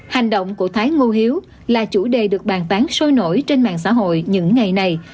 hành động của thái ngô hiếu là chủ đề được bàn tán sôi nổi trên mạng xã hội những ngày này